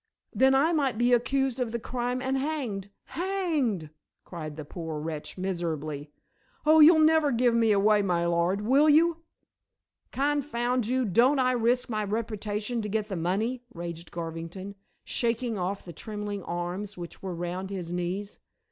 Then I might be accused of the crime and hanged. Hanged!" cried the poor wretch miserably. "Oh, you'll never give me away, my lord, will you." "Confound you, don't I risk my reputation to get the money," raged Garvington, shaking off the trembling arms which were round his knees.